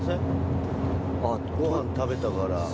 ご飯食べたから。